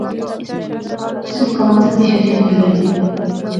اس کی کانس ہمیشہ چنگی لغی